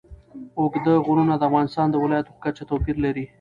اوږده غرونه د افغانستان د ولایاتو په کچه توپیر لري.